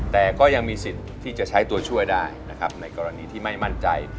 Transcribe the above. แต่ก็ยังมีสิทธิ์ที่จะใช้ตัวช่วยได้นะครับในกรณีที่ไม่มั่นใจ